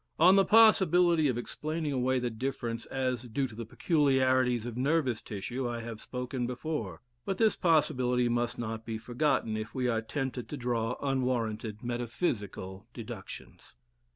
On the possibility of explaining away the difference as due to the peculiarities of nervous tissue I have spoken before, but this possibility must not be forgotten if we are tempted to draw unwarranted metaphysical deductions.